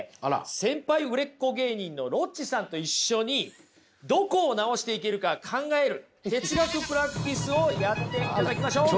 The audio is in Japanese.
先輩売れっ子芸人のロッチさんと一緒にどこを直していけるか考える哲学プラクティスをやっていただきましょう！